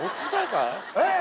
えっ？